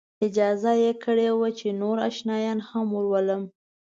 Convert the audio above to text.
اجازه یې کړې وه چې نور آشنایان هم ورولم.